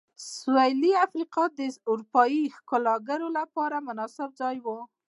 سوېلي افریقا د اروپايي ښکېلاکګرو لپاره مناسب ځای و.